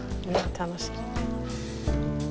楽しみ。